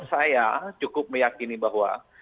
saya cukup meyakini bahwa